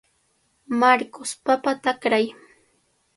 Marcos, papata akray.